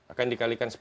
akan dikalikan sepuluh